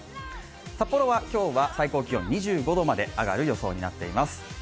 札幌は今日最高気温、２５度まで上がる予想になっています